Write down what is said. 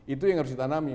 itu yang harus ditanami